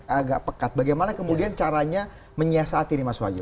asap yang agak pekat bagaimana kemudian caranya menyiasati nih mas walyu